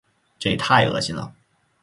这也太恶心了。